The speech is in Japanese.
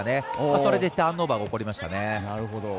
それでターンオーバー起こりましたね。